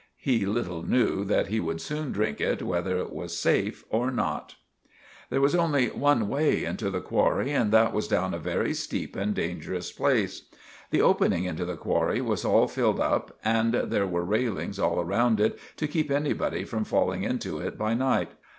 He littel nue that he would soon drink it whether it was safe or not. [Illustration: AT ONE SPOT THE DESCENT WAS VERY PERILOUS.] There was only one way into the qwarry and that was down a very steep and dangerous place. The opening into the qwarry was all filled up and there were raillings all round it to keep anybody from falling into it by night.